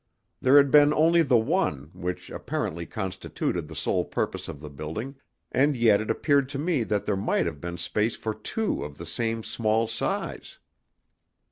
There had been only the one, which apparently constituted the sole purpose of the building, and yet it appeared to me that there might have been space for two of the same small size.